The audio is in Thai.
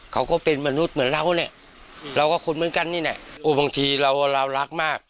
เราก็ศัฐรทำเราก็ย่อนลงมา